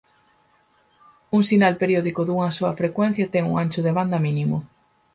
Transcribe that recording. Un sinal periódico dunha soa frecuencia ten un ancho de banda mínimo.